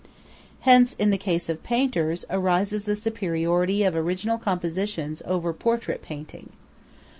Hence, in the case of painters, arises the superiority of original compositions over portrait painting.